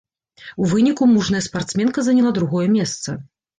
У выніку мужная спартсменка заняла другое месца.